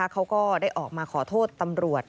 เขาก็ได้ออกมาขอโทษตำรวจ